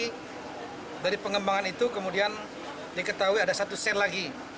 jadi dari pengembangan itu kemudian diketahui ada satu ser lagi